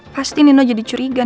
pasti nino jadi curiga